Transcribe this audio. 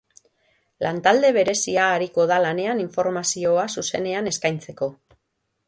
Lantalde berezia ariko da lanean informazioa zuzenean eskaintzeko.